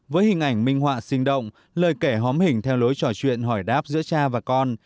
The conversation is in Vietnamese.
với hình ảnh minh họa sinh động lời kể hóm hình theo lối trò chuyện hỏi đáp giữa cha và con